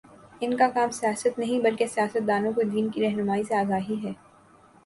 ان کا کام سیاست نہیں، بلکہ سیاست دانوں کو دین کی رہنمائی سے آگاہی ہے